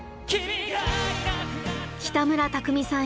北村匠海さん